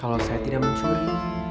kalau saya tidak mencuri